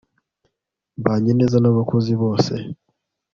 mbanye neza n'abakozi bose